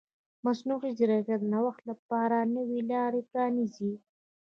مصنوعي ځیرکتیا د نوښت لپاره نوې لارې پرانیزي.